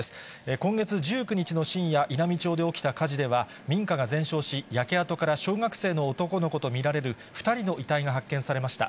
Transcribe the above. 今月１９日の深夜、稲美町で起きた火事では、民家が全焼し、焼け跡から小学生の男の子と見られる２人の遺体が発見されました。